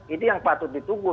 itu yang patut ditunggu